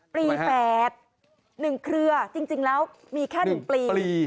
ปี๘๑เครือจริงแล้วมีแค่๑ปี